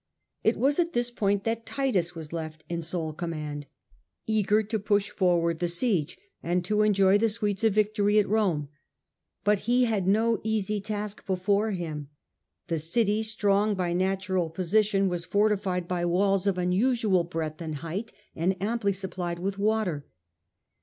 It was at this point that Titus was left in sole command, eager to push Jerusalem forward the siege and to enjoy the sweets of Titus to victory at Rome. But he had no easy task before him. The city, strong by natural position, was 148 The Earlier Empire. A.D. 69 79. fortified by walls of unusual breadth and height, and amply supplied with water.